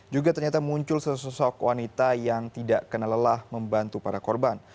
juga ternyata muncul sesosok wanita yang tidak kena lelah membantu para korban